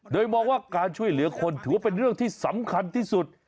โดยมองว่าการช่วยเหลือคนถือว่าเป็นเรื่องที่สำคัญที่สุด